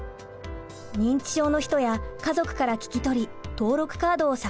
認知症の人や家族から聞き取り登録カードを作成。